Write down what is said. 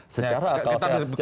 secara akal secara logika